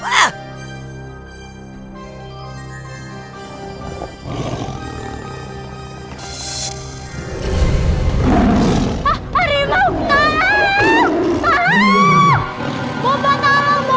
lampungnya orang itu bernyanyi ei lihat saja razaahu